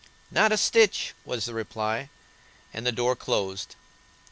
"Not a stitch," was the reply, and the door closed.